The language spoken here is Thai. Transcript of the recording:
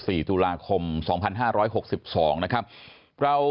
สวัสดีครับ